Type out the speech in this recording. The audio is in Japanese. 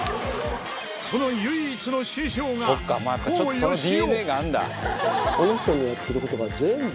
その唯一の師匠が、康芳夫。